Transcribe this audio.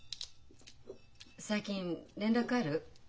最近連絡ある？